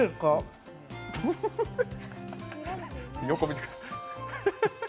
横見てください。